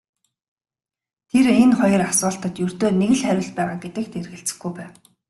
Тэр энэ хоёр асуултад ердөө нэг л хариулт байгаа гэдэгт эргэлзэхгүй байв.